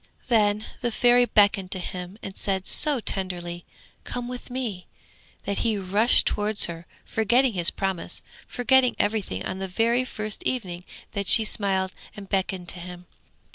Then the Fairy beckoned to him and said so tenderly, 'Come with me,' that he rushed towards her, forgetting his promise, forgetting everything on the very first evening that she smiled and beckoned to him.